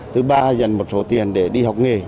thứ ba dành một số tiền để đi học nghề